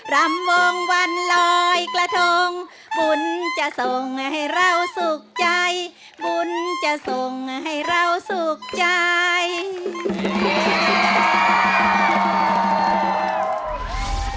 รำวงวันลอยกระทงบุญจะส่งให้เราสุขใจ